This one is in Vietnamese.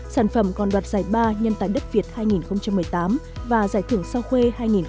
sản phẩm còn đoạt giải ba nhân tài đất việt hai nghìn một mươi tám và giải thưởng sao khuê hai nghìn một mươi chín